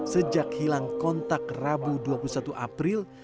sejak hilang kontak rabu dua puluh satu april